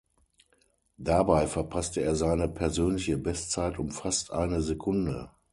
Dabei verpasste er seine persönliche Bestzeit um fast eine Sekunde.